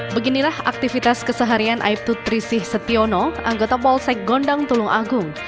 beginilah aktivitas keseharian aibtu trisih setiono anggota polsek gondang tulung agung